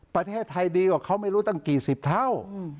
ประเทศไทยดีกว่าเขาไม่รู้ตั้งกี่สิบเท่า